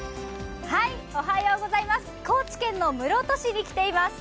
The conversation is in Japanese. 高知県の室戸市に来ています。